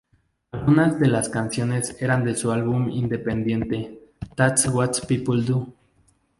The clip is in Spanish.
Algunas de las canciones eran de su álbum independiente, That's What People Do.